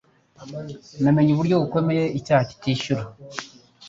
Namenye uburyo bukomeye icyaha kitishyura